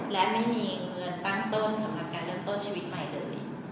และไม่มีเงินตั้งต้นสำหรับการเริ่มต้นชีวิตใหม่เลย